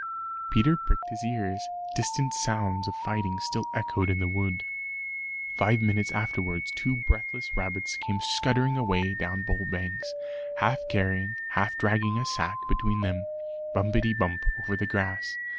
Peter pricked his ears; distant sounds of fighting still echoed in the wood. Five minutes afterwards two breathless rabbits came scuttering away down Bull Banks, half carrying half dragging a sack between them, bumpetty bump over the grass.